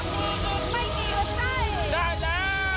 ยินดีด้วยค่ะ